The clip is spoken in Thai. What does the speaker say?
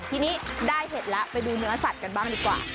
ทีนี้ได้เห็ดแล้วไปดูเนื้อสัตว์กันบ้างดีกว่า